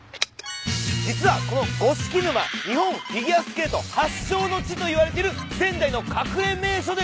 実はこの五色沼日本フィギュアスケート発祥の地といわれてる仙台の隠れ名所でございます。